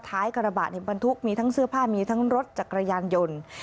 ท้ายกระบะบรรทุกมีทั้งเสื้อผ้ามีทั้งรถจักรยานยนต์